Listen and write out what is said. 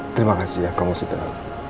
terima kasih ya kamu sudah